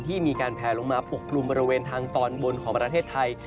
มีการแผลลงมาปกกลุ่มบริเวณทางตอนบนของประเทศไทย